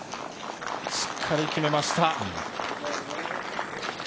しっかり決めました。